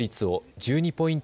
１２ポイント